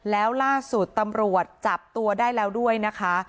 แล้วล่าสุดตำรวจจับตัวได้แล้วด้วยนะคะ